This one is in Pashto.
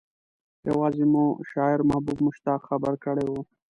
يوازې مو شاعر محبوب مشتاق خبر کړی و.